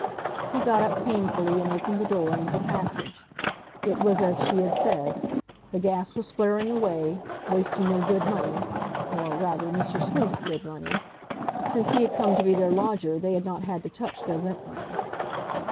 He got up painfully and opened the door into the passage. It was as she had said; the gas was flaring away, wasting their good money—or, rather, Mr. Sleuth's good money. Since he had come to be their lodger they had not had to touch their rent money.